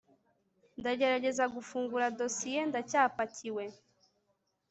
ndagerageza gufungura dosiye, ndacyapakiwe